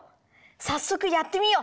さっそくやってみよう！